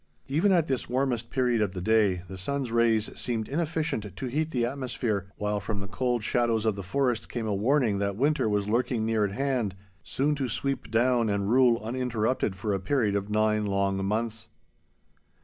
Even at this warmest period of the day the sun's rays seemed inefficient to heat the atmosphere, while from the cold shadows of the forest came a warning that winter was lurking near at hand, soon to sweep down and rule uninterrupted for a period of nine long months.